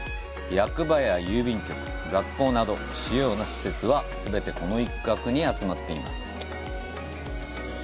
役場や郵便局、学校など主要な施設は、全てこの一角に集まっています。